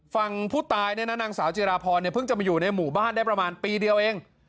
ฝั่งผู้ตายเนี่ยนะนางสาวจิราพรเนี่ยเพิ่งจะมาอยู่ในหมู่บ้านได้ประมาณปีเดียวเอง